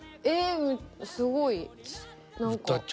えすごい何か。